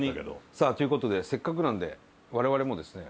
さあという事でせっかくなんで我々もですね。